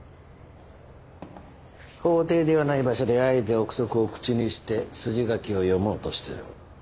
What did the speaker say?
法廷ではない場所であえて臆測を口にして筋書きを読もうとしてる。